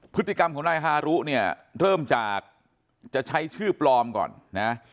พฤติกรรมของนายฮารุเนี่ยเริ่มจากจะใช้ชื่อปลอมก่อนนะ